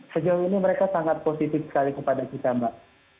sejauh ini mereka sangat positif sekali kepada kita mbak